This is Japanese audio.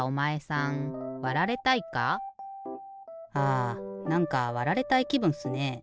あなんかわられたいきぶんっすね。